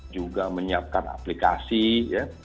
juga menyiapkan aplikasi ya